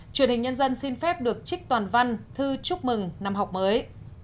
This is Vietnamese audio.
truyền hình nhân dân xin phép được trích toàn văn thư chúc mừng năm học mới